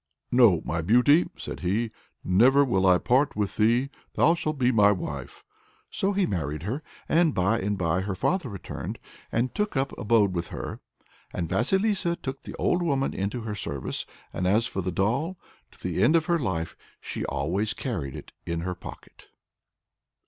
"No; my beauty!" said he, "never will I part with thee; thou shalt be my wife." So he married her; and by and by her father returned, and took up his abode with her. "And Vasilissa took the old woman into her service, and as for the doll to the end of her life she always carried it in her pocket."